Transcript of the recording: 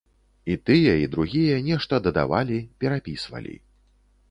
І тыя, і другія, нешта дадавалі, перапісвалі.